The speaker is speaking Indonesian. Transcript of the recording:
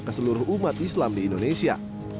ke seluruh umat islam di indonesia